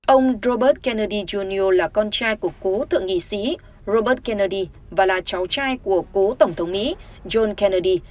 ông robert kennedy junio là con trai của cố thượng nghị sĩ robert kennedy và là cháu trai của cố tổng thống mỹ john kennedy